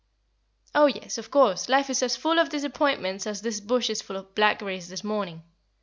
"Oh, yes, of course, life is as full of disappointments as this bush is full of blackberries this morning.